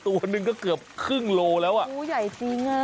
ตัวหนึ่งก็เกือบครึ่งโลแล้วอ่ะโอ้ใหญ่จริงอ่ะ